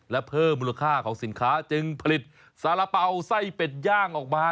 และเพิ่มมูลค่าของสินค้าจึงผลิตสารเป๋าไส้เป็ดย่างออกมา